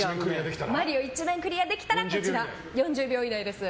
「マリオ」１面クリアできたら４０秒以内です。